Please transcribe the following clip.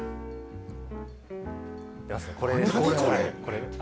何これ？